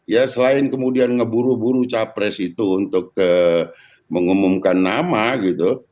ya selain kemudian ngeburu buru capres itu untuk mengumumkan nama gitu